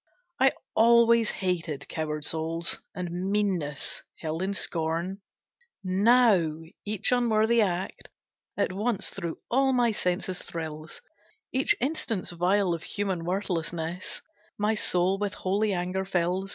I always hated coward souls, And meanness held in scorn. Now, each unworthy act At once through all my senses thrills; Each instance vile of human worthlessness, My soul with holy anger fills.